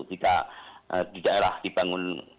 jika di daerah dibangun